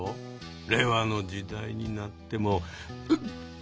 令和の時代になってもうっ。